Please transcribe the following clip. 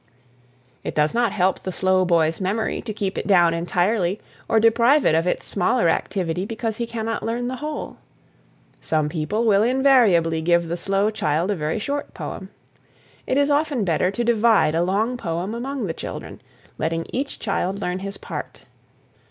It does not help the slow boy's memory to keep it down entirely or deprive it of its smaller activity because he cannot learn the whole. Some people will invariably give the slow child a very short poem. It is often better to divide a long poem among the children, letting each child learn a part.